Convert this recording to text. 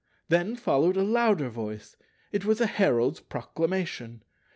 Then followed a louder voice. It was a herald's proclamation.